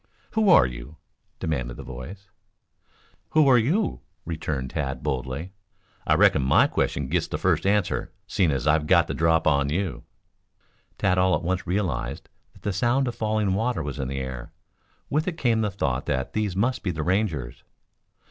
"Who are you?" demanded the voice. "Who are you?" returned Tad boldly. "I reckon my question gits the first answer, seeing as I've got the drop on you." Tad all at once realized that the sound of falling water was in the air. With it came the thought that these must be the Rangers.